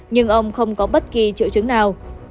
nhưng ông không có bất kỳ triệu chứng nào